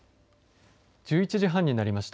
１１時半になりました。